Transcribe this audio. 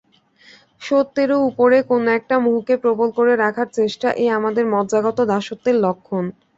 সত্যেরও উপরে কোনো-একটা মোহকে প্রবল করে রাখবার চেষ্টা এ আমাদের মজ্জাগত দাসত্বের লক্ষণ।